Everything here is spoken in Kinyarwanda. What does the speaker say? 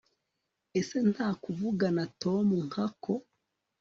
ese nta kuvugana tom nka ko